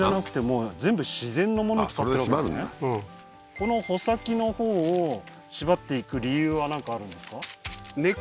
稲藁この穂先のほうを縛っていく理由はなんかあるんですか？